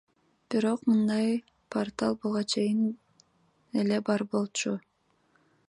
Бирок мындай портал буга чейин эле бар болчу.